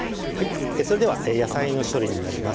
それでは野菜の処理になります